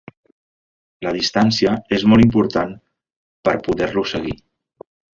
La distància és molt important per poder-lo seguir.